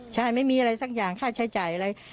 ใช่ไม่มีอะไรสักอย่างค่าใช้จ่ายอะไร